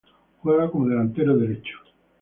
Juega como delantero derecho.